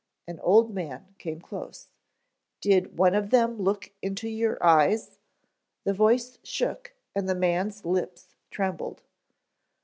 An old man came close. "Did one of them look into your eyes?" The voice shook and the man's lips trembled.